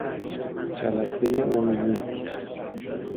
جلسه عمومی